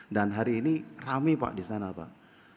dan hari ini ramai pak di sana pak